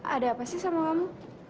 ada apa sih sama kamu